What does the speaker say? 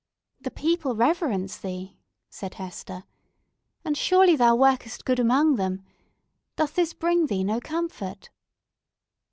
"The people reverence thee," said Hester. "And surely thou workest good among them! Doth this bring thee no comfort?"